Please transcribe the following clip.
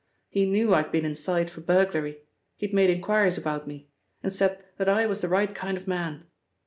He knew I'd been inside for burglary, he'd made inquiries about me, and said that I was the right kind of man.